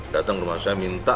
datang ke rumah saya minta